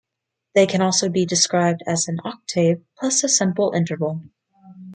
They can also be described as an octave plus a simple interval.